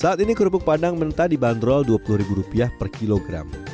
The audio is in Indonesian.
saat ini kerupuk padang mentah dibanderol rp dua puluh per kilogram